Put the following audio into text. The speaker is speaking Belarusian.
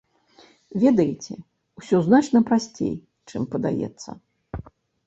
Ведаеце, ўсё значна прасцей, чым падаецца.